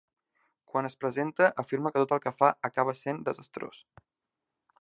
Quan es presenta, afirma que tot el que fa "acaba sent desastrós".